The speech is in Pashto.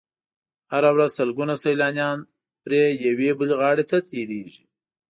هره ورځ سلګونه سیلانیان پرې یوې بلې غاړې ته تېرېږي.